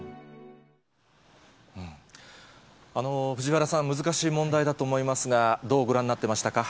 藤原さん、難しい問題だと思いますが、どうご覧になってましたか。